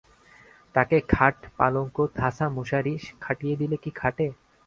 তাকে খাট-পালঙ্ক থাসা মশারি খাটিয়ে দিলে কি খাটে?